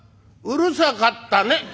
「うるさかったね」